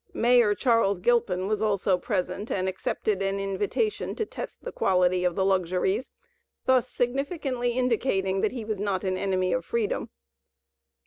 Mayor Charles Gilpin was also present and accepted an invitation to test the quality of the luxuries, thus significantly indicating that he was not the enemy of Freedom.